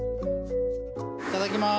いただきます。